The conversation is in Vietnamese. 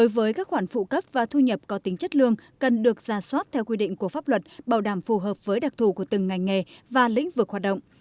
với các khoản phụ cấp và thu nhập có tính chất lương cần được ra soát theo quy định của pháp luật bảo đảm phù hợp với đặc thù của từng ngành nghề và lĩnh vực hoạt động